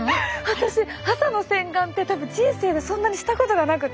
私朝の洗顔って人生でそんなにしたことがなくて。